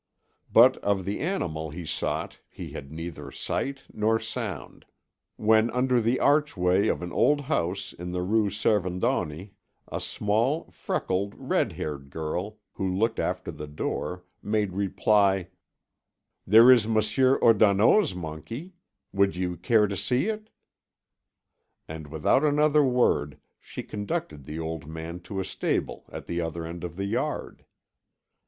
But of the animal he sought he had had neither sight nor sound, when under the archway of an old house in the Rue Servandoni, a small freckled, red haired girl who looked after the door, made reply: "There is Monsieur Ordonneau's monkey; would you care to see it?" And without another word she conducted the old man to a stable at the other end of the yard.